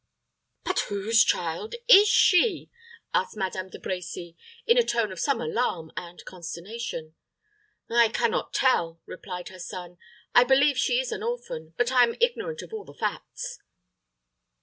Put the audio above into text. "But whose child is she?" asked Madame De Brecy, in a tone of some alarm and consternation. "I can not tell," replied her son. "I believe she is an orphan; but I am ignorant of all the facts."